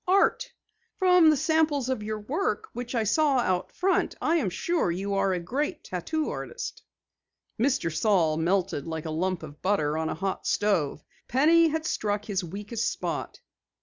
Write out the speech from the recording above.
"Art. From the samples of your work which I saw out front I am sure you are a great tattoo artist." Mr. Saal melted like a lump of butter on a hot stove. Penny had struck his weakest spot.